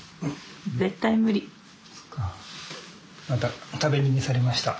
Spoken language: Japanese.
また食べ逃げされました。